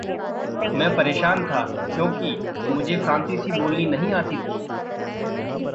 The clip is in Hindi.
मैं परेशान था क्योंकि मुझे फ़्रांसीसी बोलनी नहीं आती थी।